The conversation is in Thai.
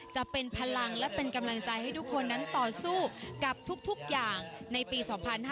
จะเป็นพลังและเป็นกำลังใจให้ทุกคนนั้นต่อสู้กับทุกอย่างในปี๒๕๕๙